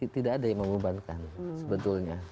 tidak ada yang membebankan sebetulnya